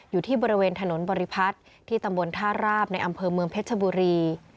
อยู่ที่บริเวณถนนบริพัฒน์ที่ตำบลท่าราบในอำเภอเมืองเพชรบุรี